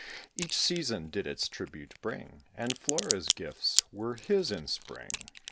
Each season did its tribute bring, And Flora's gifts were his in spring.